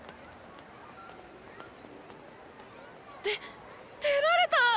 でっ出られた！